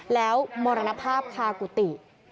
แล้วมรณภาพคากุฏิ